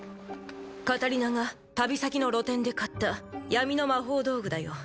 カタリナが旅先の露店で買った闇の魔法道具だよ。